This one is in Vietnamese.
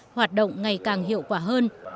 hoạt động ngày càng hiệu quả hơn